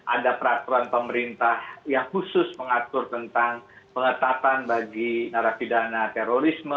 ada peraturan pemerintah yang khusus mengatur tentang pengetatan bagi narapidana terorisme